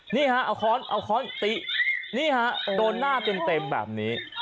นี่ฮะเอาค้อนเอาค้อนตินี่ฮะโดนหน้าเต็มแบบนี้